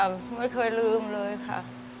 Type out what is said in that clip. ไม่เคยลืมเลยค่ะ